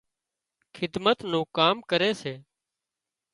خدمت نُون ڪام ڪري سي